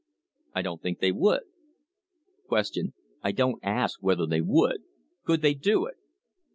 I don't think they would. Q. I don't ask whether they would; could they do it